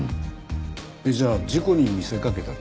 じゃあ事故に見せかけた他殺？